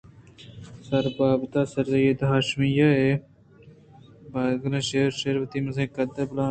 سر بُرزءُ بُلندانی(سید ہاشمی) بَگادلیں شیر شیر وتی مزنیں قدّ ءُ بالاد